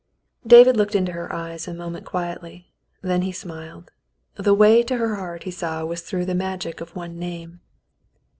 David looked into her eyes a moment quietly ; then he smiled. The way to her heart he saw was through the magic of one name.